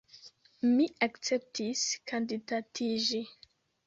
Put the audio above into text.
Mi akceptis kandidatiĝi.